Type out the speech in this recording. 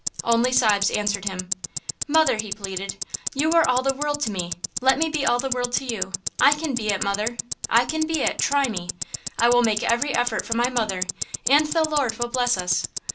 Only sobs answered him. "Mother," he pleaded, "you are all the world to me; let me be all the world to you! I can be it, mother; I can be it; try me! I will make every effort for my mother, and the Lord will bless us!"